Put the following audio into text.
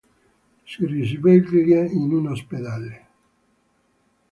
Si risveglia in un ospedale.